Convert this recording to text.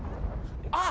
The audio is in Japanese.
あっ！